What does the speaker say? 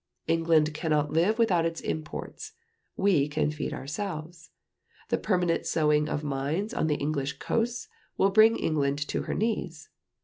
England cannot live without its imports. We can feed ourselves. The permanent sowing of mines on the English coasts will bring England to her knees.